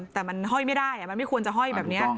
แต่มันห้อยไม่ได้มันไม่ควรจะห้อยแบบนี้